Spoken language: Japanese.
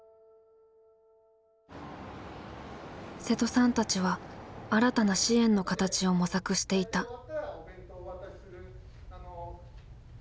瀬戸さんたちは新たな支援の形を模索していた。